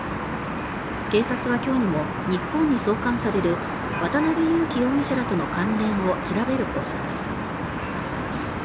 警察は今日にも日本に送還される渡邉優樹容疑者らとの関連を調べる方針です。